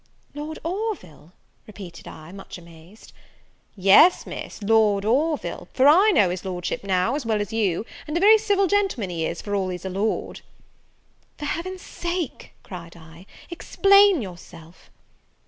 "Lord Orville!" repeated I, much amazed. "Yes, Miss, Lord Orville; for I know his Lordship now, as well as you. And a very civil gentleman he is, for all he's a Lord." "For Heaven's sake," cried I, "explain yourself."